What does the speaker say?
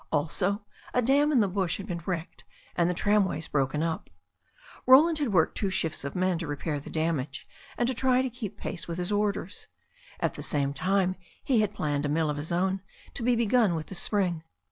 Also, a dam in the bush had been wrecked, and the tram ways broken up. Roland had worked two shifts of men to repair the damage, and to try to keep pace with his orders. At the same time he had planned a mill of his own, to be begun with the spring.